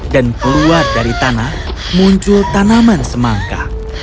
dan keluar dari tanah muncul tanaman semangka